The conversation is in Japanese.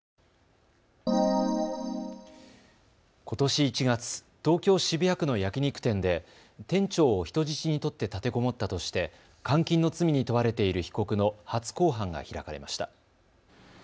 ことし１月、東京渋谷区の焼き肉店で店長を人質に取って立てこもったとして監禁の罪に問われている被告の初公判が開かれました。